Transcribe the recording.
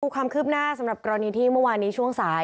ความคืบหน้าสำหรับกรณีที่เมื่อวานนี้ช่วงสาย